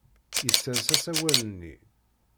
Yessers asawal-nni.